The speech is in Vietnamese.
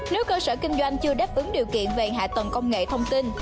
nếu cơ sở kinh doanh chưa đáp ứng điều kiện về hạ tầng công nghệ thông tin